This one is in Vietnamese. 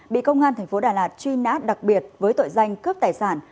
bị công an tp đà lạt truy nã đặc biệt với tội danh cướp tài sản